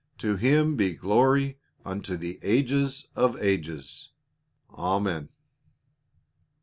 To Him be glory unto the ages of ages. Amen."